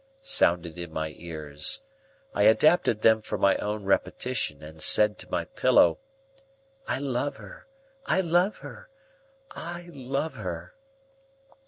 sounded in my ears. I adapted them for my own repetition, and said to my pillow, "I love her, I love her, I love her!"